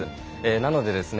なのでですね